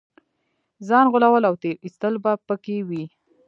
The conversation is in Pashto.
ځان غولول او تېر ایستل به په کې وي.